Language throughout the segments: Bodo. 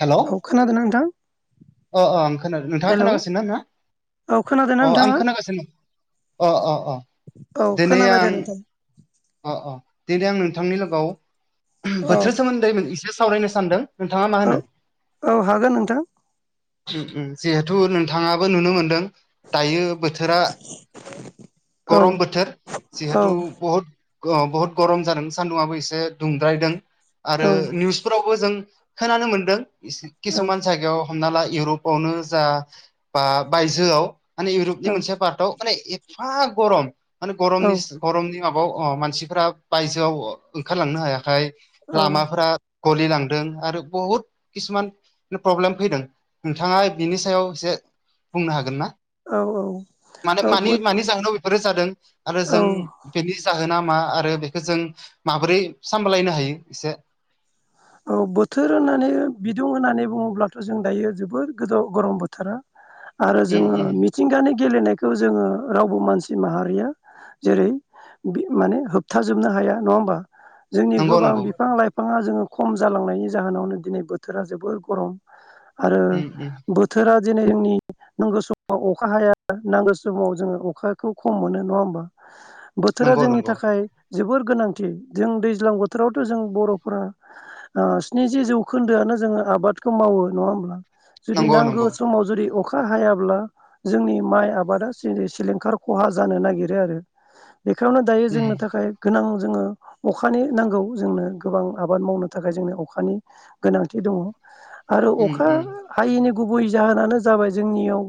हेल' औ खोनादोंना नोंथां अ अ आं खोनादों नोंथाङा हेलौ खोनागासिनो ना औ खोनादोंना अ आं नोंथाङा खोनागासिनो अ अ अ औ दिनै खोनाबाय आं दे नोंथां अ अ दिनै आं नोंथांनि लोगोआव औ बोथोर सोमोन्दै एसे सावरायनो सानदों नोंथाङा मा होनो औ औ हागोन नोंथां जिहेथु नोंथाङाबो नुनो मोनदों दायो बोथोरा औ गरम बोथोर औ जिहेथु बहुत बहुत गरम जादों सान्दुंआबो एसे दुंद्रायदों आरो औ निउसफोरावबो जों खोनानो मोनदों औ किसुमान जायगायाव हमना ला इउरपावनो जा बा बायजोआव माने इउरपनि औ मोनसे पार्टआव माने एफा गरम माने गरमनि गरमनि माबायाव अ मानसिफोरा बायजोआव ओंखारलांनो हायाखै लामाफोरा गलि लांदों आरो बहुत किसुमान प्रब्लेम फैदों नोंथाङा बिनि सायाव एसे बुंनो हागोन ना औ माने औ मानि बोथ मानि जाहोनाव बेफोरो जादों आरो औ जों बेनि होना मा आरो बेखौ जों माबोरै सामलायनो हायो एसे औ बोथोर होननानै बिदुं होननानै बुङोब्लाथ' जों दायो जोबोद गोजौ गरम बोथोरा आरो उम जोङो उम मिथिंगानि गेलेनायखौ जोङो रावबो मानसि माहारिया जेरै माने होबथाजोबनो हाया नङा होमबा जोंनि नंगौ गोबां नंगौ बिफां लाइफाङा जोङो खम जालांनायनि जाहोनावनो दिनै बोथोरा जोबोर गरम आरो उम उम बोथोरा दिेनै जोंनि नांगौ समाव अखा हाया नांगौ समाव जोङो अखाखौ खम मोनो नङा होमबा बोथोरा नंगौ जोंनि नंगौ थाखाय जोबोर गोनांथि जों दैज्लां बोथोरावथ' जों बर'फोरा स्निजि जौखोन्दोआनो जोङो आबादखौ मावो नङा होमब्ला जुदि नंगौ नांगौ नंगौ समाव जुदि अखा अखा हायाब्ला जोंनि माइ आबादा सिलिंखार खहा जानो नागिरो आरो बेखायावनो दायो उम जोंनो थाखाय गोनां जोङो अखानि नांगौ जोंनो गोबां आबाद मावनो थाखाय जोंनि अखानि गोनांथि दङ आरो उम अखा उम हायैनि गुबै जाहोनानो जाबाय जोंनियाव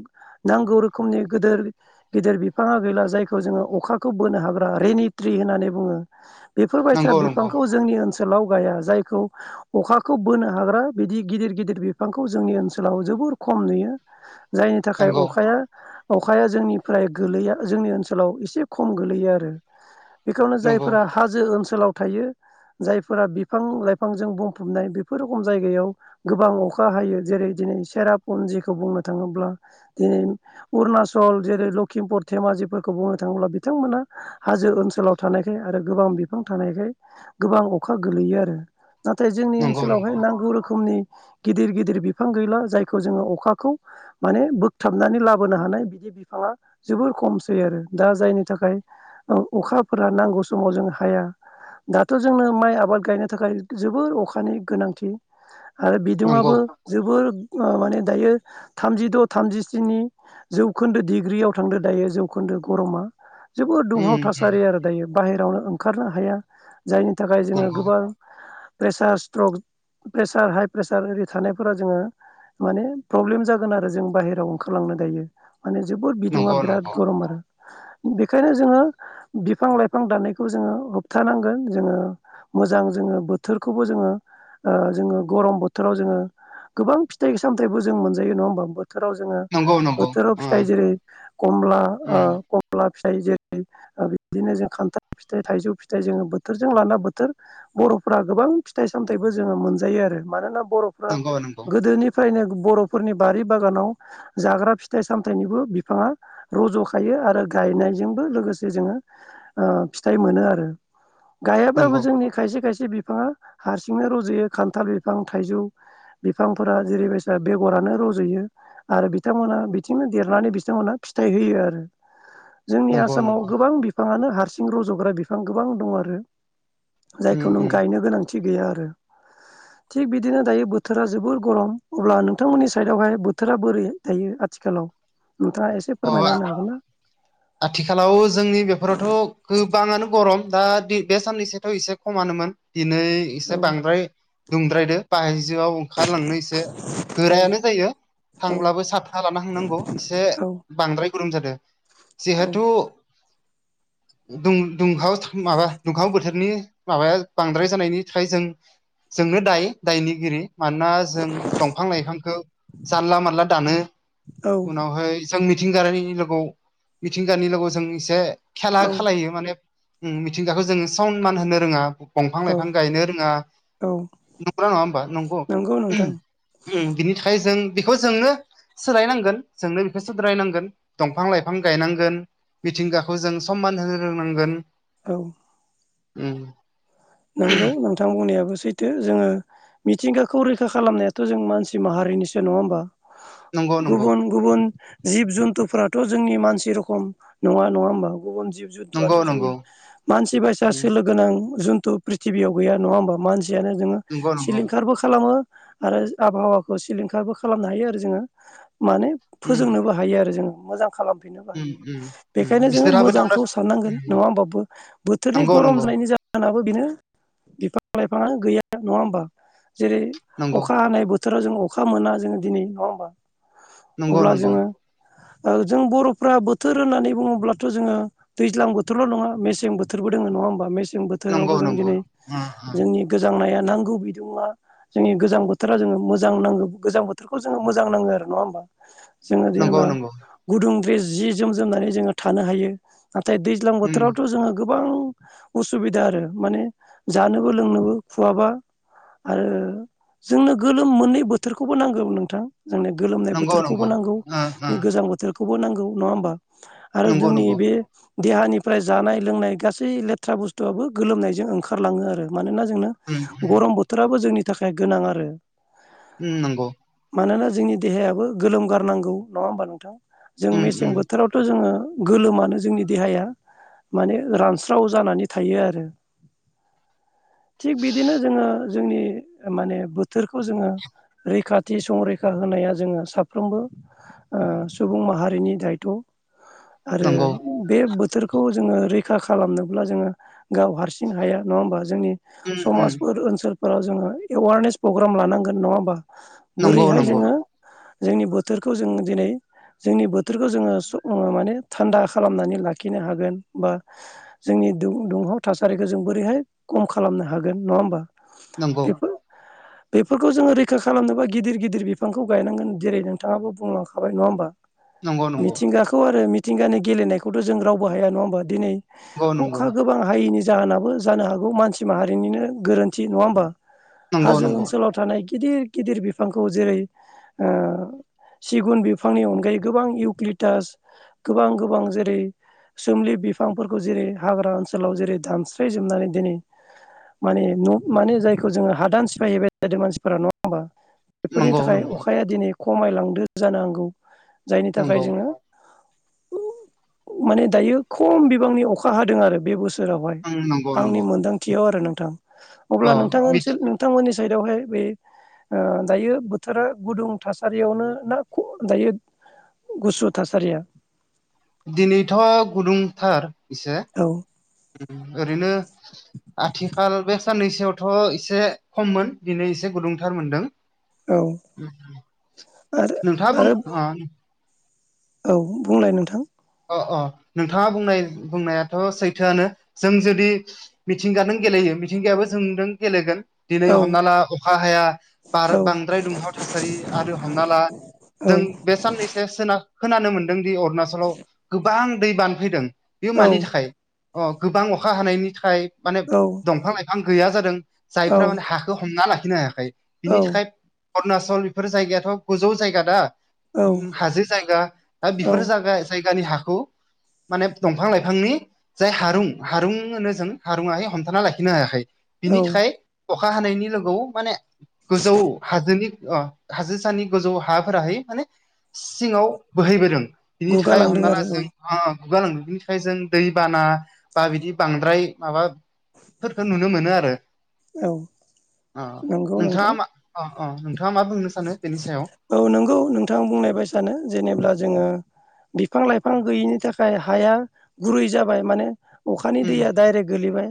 नांगौ रोखोमनि गिदिर गेदेर बिफाङा गैला जायखौ जोङो अखाखौ बोनो हाग्रा रेनिट्रि होननानै बुङो बेफोरबायायसा नंगौ नंगौ बिफांखौ जोंनि ओनसोलाव जायखौ अखाखौ बोनो हाग्रा बिदि गिदिर गिदिर बिफांखौ जोंनि ओनसोलाव जोबोर खम खम नुयो जायनि थाखाय नंगौ अखाया अखाया जोंनिफ्राय गोलैया जोंनि ओनसोलाव एसे खम गोलैयो आरो बेखौनो जायफोरा हाजो ओनसोलाव थायो जायफोरा बिफां लाइफांजों बुंफबनाय बेफोर रोखम जायगायाव गोबां अखा हायो जेरै दिनै सेराफ उ बुंनो थाङोब्ला अुणचल जेरै लखिमपुर धेमाज बुंनो थाङोब बिथांमोना हाजो ओनसोलाव थानायखाय आरो गोबां बिफां थानायखाय गोबां अखा गोलैयो आरो नाथाय जोंनि नंगौ नंगौ ओनसोलावहाय नांगौ रोखोमनि गिदिर गिदिर बिफां गैला जायखौ जोङो अखाखौ माने बोगथाबनानै लाबोनो हानाय बिदिनो बिाङा जोबोर खमसै आरो दा जायनि थाखाय अखाफोरा नांगौ समाव जों ह दाथ' जोंनो माइ आबाद गायनो थाखाय जोबोर अखानि गोनांथि आरो बिदुङआो नंगौ जोबोर माने दायो थामजिद' थामजिस्नि जौखोन्दो डग्रि आयाव थांदों दायो जौखोन्दो गरमा जोोबद दुंहाव उम थासारि आरो दायो बाहेरायावनो ओंखारनो हाया जायनि थाखाय जोङो गोबां pressure stroke pressure high pressure आररि थानायफोरा जोङो माने प्रब्लेम जागोन आरो जों बाहेरायाव ओंखारलांनो गायो माने जोोबद बिदुङा नंगौ बिराद नंगौ गरम आरो बेखायनो जोङो बिफां लाइफां दाननायखौ जोङो होबथानांगोन जोङो मोजां जोङो बोथोरखौबो जोङो जोङो गरम बोथोराव जोङो गोबां फिथाइ सामथायबो जों मोनजायो नङाोमबा बोथोराव जोङो नंगौ नंगौ बोथोराव ओ फिथाइ जेरै कमला उम कमला फिथाइ जेरै बिदिनो जों खान्थाल फिथाइ थाइजौ फिथाइ जोङो बोथोरजों लाना बोथोर बर'फ्रा गोबां फिथाइ सामथायाइबो जोङो मोनजायो आरो मानोना बर'फ्रा नंगौ नंगौ गोदोनि फ्रायनो बर'फोरनि बारि बागानाव जाग्रा फिथाइ सामथायाइनिबो बिफाङा रज'खायो आरो गायनायजोंबो लोगोसे जोङो फिथाइ मोनो आरो [inaudible] [unintelligible] गायाब्लाबो नंगौ जोंनि खायसे खायसे बिफाङा हारसिंनो रज'यो खान्थाल बिफां थाइजौ बिफांफोरा जेरैबाय बेगरानो रज'यो आरो बिथांमोनहा बिथिंनो देरनानै बिथांमोनहा फिथाइ होयो आरो [inaudible] जोंनि नंगौ आसामाव नंगौ गोबां बिफाङानो हारसिं रज'ग्रा बिफां गोबां दं आरो। उम जायखौ नों उम गायनो गोनांथि गैया आरो। थिग बिदिनो दायो बोथोरा जोबोर गरम अब्ला नोंथांमोननि साइदावहाय बोथोरा बोरै दायो? आथिखालाव नोंथाङा एसे अ माबा फोरमायना होनो आथिखालाव जोंनि बेफोरावथ' गोबाङानो गरम। दा बे बे साननैसोथ' एसे खमानोमोन। दिनै एसे बांद्राय दुंद्रायदो बाहायजोआव ओंखारलांनो एसे हागोन गोरायानो जायो ना? औ थांब्लाबो साथा लाना थांनांगौ एसे औ बांद्राय गरम जादों। औ जिहेथु दु-दुंहाव माबा दुंहाव बोथोरनि माबाया बांद्राय जानायनि थाखाय जों जोंनो दाय दायनिगिरि। मानोना जों दंफां लाइफांखौ जानला मानला दानो औ उनावहाय जों मिथिंगायारिनि लोगोआव मिथिंगानि लोगोआव जों एसे खेला औ खालो माने उम मिथिंगाखौ जोङो सनमान होनो रोङा दंफां औ लाइफां गायनो रोङा। औ नंगोना नङा होमबा? नंगौ उम बिनि थाखाय जों बेखौ जोंनो सोलायनांगोन जोंनो सुद्रायनांगोन दंफां लाइफां गायनांगोन, मिथिंगाखौ जों सनमान होनो रोंनांगोन। औ। उम। नोंगौ नोंथां बुंनायाबो सो सैथो जोङो मिथिंगाखौ रैखा खालामनायाथ' जों मानसि माहारिनिसो नङा होमबा। नंगौ नंगौ गुबुन गुबुन जिब जुन्थुफ्राथ' जोंनि मानसि रखम नङा नङा होमबा। गुबुन जिब नंगौ जुन्थुआथ' जोंनि नंगौ मानसि बायसा उम सोलो गोनां जुन्थु प्रिथिबियाव गैया नङा होमबा, मानसियानो जोङो नंगौ नंगौ सिलिंखारबो खालामो आरो आबहावाखौ सिलिंखारबो खालामनो हायो आरो जोङो माने उम फोजोंनोबो हायो आरो जोङो मोजां खालाम फिननोबो उम हायो उम उम बेनिखायनो जोङो बिसोरहाबो थांना मोजांखौ साननांगोन उम नङा होमबा बोथोरनि नंगौ गरम नंगौ जानायनि जाहोनाबो बेनो बिफां लाइफाङानो गैया नङा होमबा जेरै नंगौ अखा हानाय बोथोर बोथोराव जों अखा मोना जोङो दिनै नङा होमबा। नंगौ नंगौ। ओ जों बर'फ्रा बोथोर होननानै बुङोब्लाथ' जोङो दैज्लां बोथोरल' नङा मेसें बोथोर बो दोङो नङा होमबा, मेसें बोथोरावबो जों दिनै उम उम। नांनाया नांगौ बिदुङा जोंनि गोजां बोथोरा जोङो मोजां नांगौ गोजां बोथोरखौ जोङो मोजां नाङो आरो। नङा होमबा जोङो नंगौ जेनेबा नंगौ गुदुं द्रेस जि जोम जोमनानै जोङो थानो हायो। नाथाय दैज्लां उम बोथोरावथ' जोंहा गोबां उसुबिदा आरो माने जानोबो लोंनोबो खुवाबा। आरो जोंनो गोलोम मोननै बोथोरखौबो नांगौ नोंथां। जोंनो गोलोमनाय नंगौ बोथोरखौबो नंगौ नांगौ ओ बे गोजां बोथोरखौबो नांगौ नङा होमबा। आरो जोंनि बे देहानिफ्राय जानाय लोंनाय गासै लेथ्रा बुस्थुआबो गोलोमनायजों ओंखारलाङो आरो मानोना जोंनो ओ गरम बोथोराबो जोंनि थाखाय गोनां आरो। उम नंगौ। मानोना जोंनि देहायाबो गोलोम गारनांगौ नङा होमबा नोंथां? जों उम मेसें उम बोथोरावथ' जोङो गोलोमानो जोंनि देहाया माने रानस्राव जानानै थायो आरो। [unintelligible] थिग बिदिनो जोङो जोंनि माने बोथोरखौ जोङो रैखाथि संरैखा होनाया जोङो साफ्रोमबो ओ सुबुं माहारिनि दायथ'। आरो नंगौ बे बोथोरखौ जोङो रैखा खालामनोब्ला जोङो गाव हारसिं हाया नङा होमबा जोंनि उम उम समाजफोर ओनसोल फोराव जोङो एवारनेस प्रग्राम लानांगोन नङा होमबा नंगौ बोरैहाय उम नंगौ नंगौ जोङो जोंनि बोथोरखौ जों दिनै जोंनि बोथोरखौ जोङो सु माने थान्दा खालामनानै लाखिनो हागोन बा जोंनि दुं-दुंहाव थासारिखौ जों बोरैहाय खम खालामनो हागोन नङा होमबा? नंगौ बेफोर बेफोरखौ जोङो रैखा खालामनोबा गिदिर गिदिर बिफांखौ गायनांगोन जेरै नोंथाङाबो बुंलांखाबाय नङा होमबा? नंगौ मिथिंगाखौ आरो मिथिंगानि गेलेनायखौथ' जों रावबो हाया नङा होमबा दिनै अखा नंगौ गोबां हायिनि जाहोनाबो जानो हागौ मानसि माहारिनिनो गोरोन्थि नङा होमबा? नंगौ नंगौ हाजो ओनसोलाव थानाय गिदिर गिदिर बिफांखौ जेरै ओ सिगुन बिफांनि अनगायै गोबां इउक्लिटास गोबां गोबां जेरै सोमलि बिफांफोरखौ जेरै हाग्रा ओनसोलाव जेरै दानस्रायजोबनानै दिनै माने न' माने जायखौ जोङो हादान सिफायहैबाय थादों मानसिफोरा नङा होमबा? बेफोरनि नंगौ थाखाय नंगौ अखाया दिनै खमायलांदो जानांगौ। जायनि थाखाय नंगौ जोङो माने दायो खम बिबांनि अखा हादों आरो बे बोसोराव। उम नंगौ आंनि नंगौ मोनदांथियाव आरो नोंथां अ अब्ला नोंथां मिथ नोंथांमोननि साइदआवहाय बे ओ दायो बोथोरा गुदुं थासारियावनो ना दायो गुसु थासारिया? दिनैथ'आ गुदुंथार एसे औ ओरैनो आथिखाल बे साननैसोआवथ' एसे खममोन दिनै एसे गुदुंथार मोनदों। औ आरो नोंथाङा बुं आरो ओ औ बुंलाय नोंथां। अ अ नोंथाङा बुंनाय बुंनायाथ' सैथोआनो जों जुदि मिथिंगादों गेलेयो मिथिंगायाबो जोंदो़ गेलेगोन। दिनै औ हमना ला अखा हाया बार औ बांद्राय दुंहाव थासारि आरो हमना ला औ जों बे साननैसो सोनाब खोनानो मोनदों दि अरुणाचलाव गोबां दै बानफैदों बेयो औ मानि थाखाय? अ गोबां अखा हानायनि थाखाय माने औ दंफां लाइफां गैया जादों। जायफ्रा माने हाखौ हमना लाखिनो हायाखै औ बिनि थाखाय अरुणाचल बेफोर जायगायाथ' गोजौ जायगा दा औ हाजो जायगा दा औ बेफोर जागा-जायगानि हाखौ माने दंफां लाइफांनि जाय हारुं हारुं होनो जों हारुङाहाय हमथाना लाखिनो हायाखै। औ बिनि थाखाय अखा हानायनि लोगो माने गोजौ हाजोनि अ हाजो सानि गोजौ हाफोराहै माने सिङाव बोहैबोदों बिनि थाख खाय गुगालांदों हमना ला आरो जों औ गुगा लांनो बिनि थाखाय जों दै बाना बा बिदि बांद्राय माबा फोरखो नुनो मोनो आरो औ अ नंगौ नोंथाङा नोंथां मा अ नोंथाङा मा बुंनो सानो बेनि सायाव औ नंगौ नोंथां बुंनायबायसानो जेनेब्ला जोङो बिफां लाइफां गैयिनि थाखाय हाया गुरै जाबाय माने अखानि उम दैया डाइरेक्ट गोलैबाय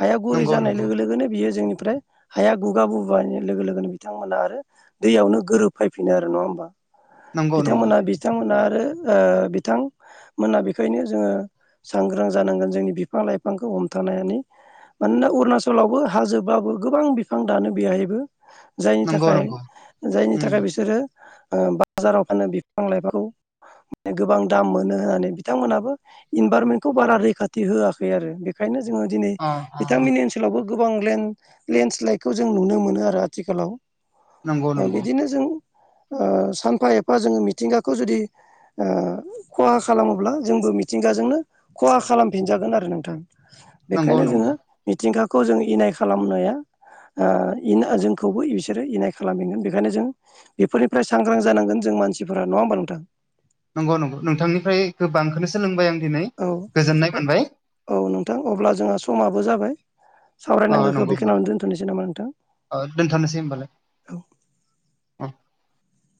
हाया गुरै नंगौ जानाय नंगौ लोगो लोगोनो बियो जोंनि फ्राय हाया गुगा बोबाय लोगो लोगोनो बिथांमोना आरो दैयावनो गोरोब फैफिनो आरो नङा होमबा नंगौ नंगौ बिथांमोनहा बिथांमोनहा आरो ओ बिथां मोना बेखायनो जोङो सांग्रां जानांगोन जोंनि बिफां लाइफांखौ हमथानानै। मानोना अरुणाचलावबो हाजोबाबो गोबां बिफां दानो बेयहायबो। जायनि नंगौ थाखाय नंगौ जायनि उम थाखाय बिसोरो ओ बाजाराव फानो बिफां लाइफांखौ। माने गोबां दाम मोनो होननानै बिथांमोनहाबो इनभाररनमेन्टखौ बारा रैखाथि होआखै आरो बेखायनो जो जोङो दिनै अ अ बिथांमोननि ओनसोलावबो गोबां लेन्डस्लाइदखौ जों नुनो मोनो आरो आथिखालाव नंगौ नंगौ बिदिनो जों ओ सानफा एफा जोङो मिथिंगाखौ जुदि ओ खहा खालामोब्ला जोंबो मिथिंगाजोंनो खहा खालामफिनजागोन आरो नोंथां। नंगौ बेखायनो नंगौ जोंओ खौ जों इनाय खालामनाया जोंखौबो बिसोरो इनाय खालामहगोन बे माने जों बेफोरनिफ्राय सांग्रां जानांगोन जों मानसिफोरा नङा होमबा नोंथां। नंगौ नंगौ नोंथांनिफ्राय गोबांखौनो सोलोंबाय आं दिनै औ गोजोननाय मोनबाय औ नोंथां अब्ला जोंहा समाबो जाबाय। अ सावरायनांगौखौ नंगौ बेखौनियाव दोनथ'नोसै नामा नोंथां। अ औ।